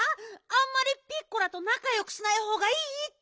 あんまりピッコラとなかよくしないほうがいいって！